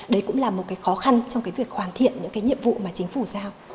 đấy cũng là một khó khăn trong việc hoàn thiện những nhiệm vụ mà chính phủ giao